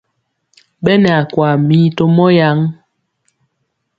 Ɓɛ nɛ akwaa mii to mɔ yaŋ.